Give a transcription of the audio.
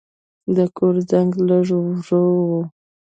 د کور زنګ لږ ورو و.